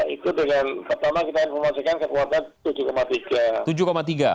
itu dengan pertama kita informasikan kekuatan tujuh tiga